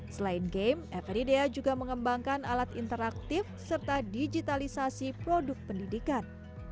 selain game everidea juga mengembangkan alat interaktif serta digitalisasi produk pendidikan